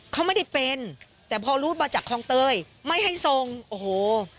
เขาไม่ได้เป็นแต่พอรูดมาจากคลองเตยไม่ให้ทรงโอ้โห